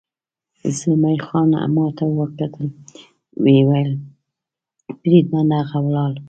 زلمی خان ما ته وکتل، ویې ویل: بریدمنه، هغه ولاړ.